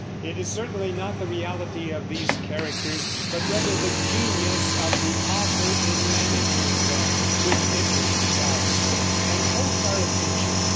It is certainly not the reality of these characters, but rather the genius of the author in managing them, which interests us and holds our attention.